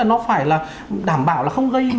nó phải là đảm bảo là không gây